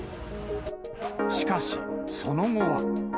しかし、その後は。